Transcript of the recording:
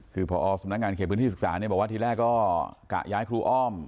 คือพอสำนักงานเขตพื้นที่ศึกษาบอกว่าทีแรกก็กะย้ายครูอ้อม